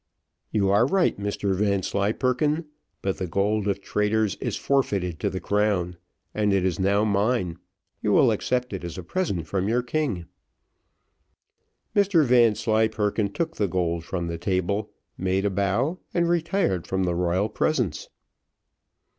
"You are right, Mr Vanslyperken, but the gold of traitors is forfeited to the crown, and it is now mine, you will accept it as a present from your king." Mr Vanslyperken took the gold from the table, made a bow, and retired from the royal presence.